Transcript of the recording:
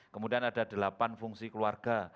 kemudian ada delapan fungsi keluarga